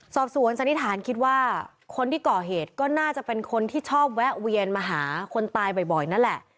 สันนิษฐานคิดว่าคนที่ก่อเหตุก็น่าจะเป็นคนที่ชอบแวะเวียนมาหาคนตายบ่อยนั่นแหละ